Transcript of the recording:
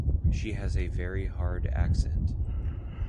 She has a very hard accent.